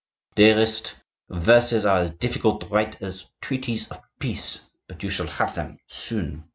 "Dearest, verses are as difficult to write as treaties of peace; but you shall have them soon.